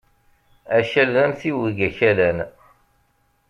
Akal d amtiweg akalan.